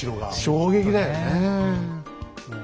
衝撃だよねもう。